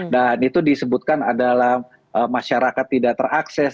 dan itu disebutkan adalah masyarakat tidak terakses